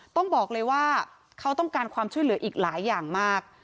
ต้องบอกเลยว่าเขาต้องการความช่วยเหลืออีกหลายอย่างมาก